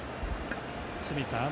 清水さん